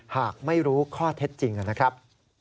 หากไม่รู้ข้อเท็จจริงนะครับ